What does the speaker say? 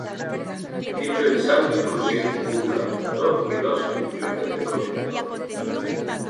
Dicho ensamble consiste en un adaptador y dos enchufes de conector.